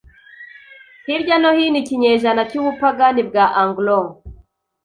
hirya no hino ikinyejana cyubupagani bwa Anglo-